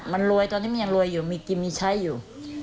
มันรวยตอนนี้มันยังรวยอยู่มีกินมีใช้อยู่